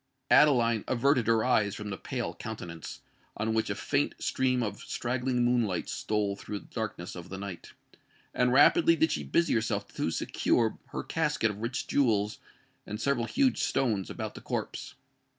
Adeline averted her eyes from the pale countenance, on which a faint stream of straggling moonlight stole through the darkness of the night;—and rapidly did she busy herself to secure her casket of rich jewels and several huge stones about the corpse.